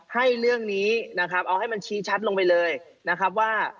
ให้เรื่องนี้นะครับเอาให้มันชี้ชัดลงไปเลยนะครับว่า